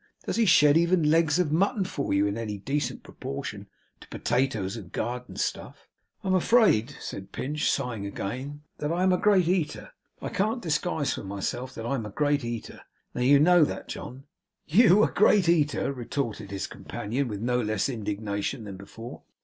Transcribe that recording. Does he shed even legs of mutton for you in any decent proportion to potatoes and garden stuff?' 'I am afraid,' said Pinch, sighing again, 'that I am a great eater; I can't disguise from myself that I'm a great eater. Now, you know that, John.' 'You a great eater!' retorted his companion, with no less indignation than before.